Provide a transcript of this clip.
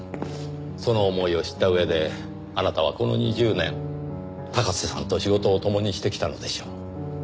その思いを知った上であなたはこの２０年高瀬さんと仕事を共にしてきたのでしょう。